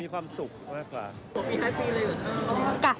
มีความสุขมาก